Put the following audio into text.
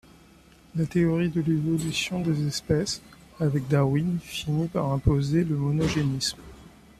La théorie de l'évolution des espèces, avec Darwin, finit par imposer le monogénisme.